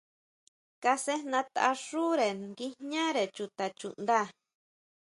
Kasʼejnatʼaxúre nguijñare chuta chuʼnda.